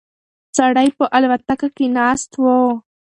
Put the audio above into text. سړی په الوتکه کې ناست و.